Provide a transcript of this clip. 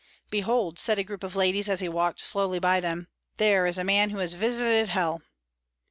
"Behold," said a group of ladies, as he walked slowly by them, "there is a man who has visited hell!"